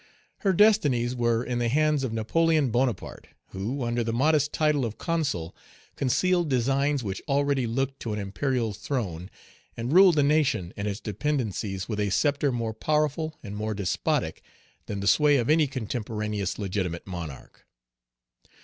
Her destinies were in the hands of Napoleon Bonaparte, who, under the modest title of Consul, concealed designs which already looked to an imperial throne, and ruled the nation and its dependencies with a sceptre more powerful and more despotic than the sway of any contemporaneous legitimate monarch.